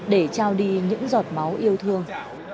để trao đi những giọt máu yêu thương